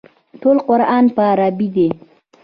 ټول قران په عربي دی.